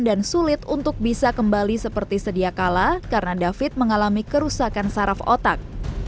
dan sulit untuk bisa kembali seperti sedia kala karena david mengalami kerusakan saraf otak